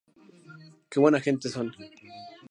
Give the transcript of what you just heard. Que buena gente son!